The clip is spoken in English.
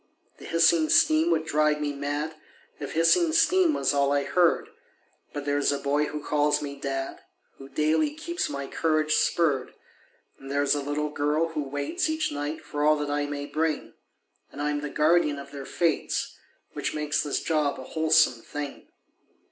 The hissing steam would drive me mad If hissing steam was all I heard; But there's a boy who calls me dad Who daily keeps my courage spurred; And there's a little girl who waits Each night for all that I may bring, And I'm the guardian of their fates, Which makes this job a wholesome thing.